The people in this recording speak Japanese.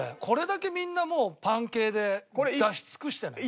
これだけみんなもうパン系で出し尽くした。